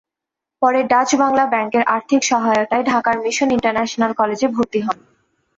পরে ডাচ্-বাংলা ব্যাংকের আর্থিক সহায়তায় ঢাকার মিশন ইন্টারন্যাশনাল কলেজে ভর্তি হন।